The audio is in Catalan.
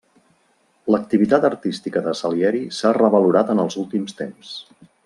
L'activitat artística de Salieri s'ha revalorat en els últims temps.